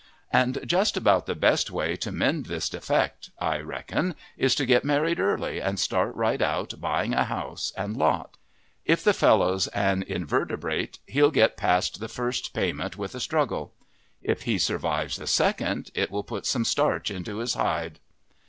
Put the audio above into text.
And just about the best way to mend this defect, I reckon, is to get married early and start right out buying a house and lot. If a fellow's an invertebrate he'll get past the first payment with a struggle. If he survives the second, it will put some starch into his hide.